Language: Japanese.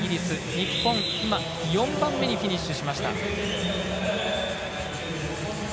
日本、今４番目にフィニッシュ。